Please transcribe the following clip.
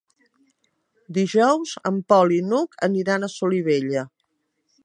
Dijous en Pol i n'Hug aniran a Solivella.